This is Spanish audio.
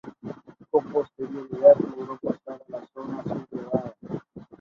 Con posterioridad logró pasar a la zona sublevada.